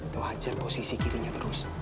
lo hajar posisi kirinya terus